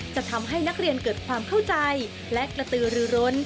จะทำให้นักเรียนเกิดความเข้าใจและกระตือรือร้น